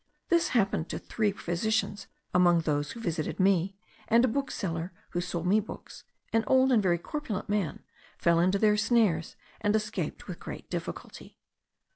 This happened to three physicians among those who visited me; and a bookseller who sold me books, an old and very corpulent man, fell into their snares, and escaped with great difficulty.